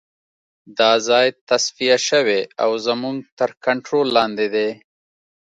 دا ځای تصفیه شوی او زموږ تر کنترول لاندې دی